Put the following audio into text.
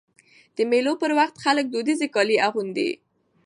د مېلو پر وخت خلک دودیز کالي اغوندي.